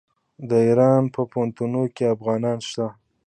د ایران په پوهنتونونو کې افغانان شته.